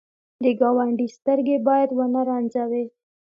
د ګاونډي سترګې باید ونه رنځوې